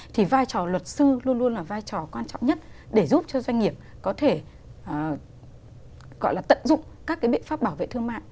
thì vai trò luật sư luôn luôn là vai trò quan trọng nhất để giúp cho doanh nghiệp có thể tận dụng các biện pháp bảo vệ thương mại